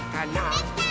できたー！